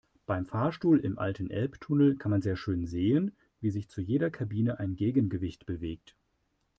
Beim Fahrstuhl im alten Elbtunnel kann man sehr schön sehen, wie sich zu jeder Kabine ein Gegengewicht bewegt.